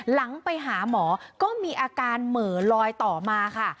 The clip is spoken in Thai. หลังไปหาหมอก็มีอาการเหม่อลอยต่อมาค่ะ